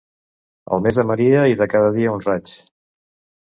El mes de Maria i de cada dia un raig.